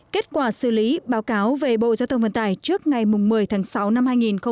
kết quả xử lý báo cáo về bộ giao tông vân tải trước ngày một mươi tháng sáu năm hai nghìn một mươi tám